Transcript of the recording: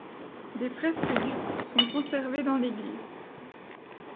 Des fresques du sont conservées dans l'église.